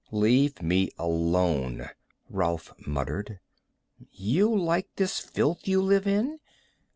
"Leave me alone," Rolf muttered. "You like this filth you live in?